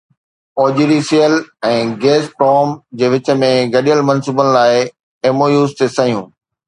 OGDCL ۽ Gazprom جي وچ ۾ گڏيل منصوبن لاءِ ايم او يوز تي صحيحون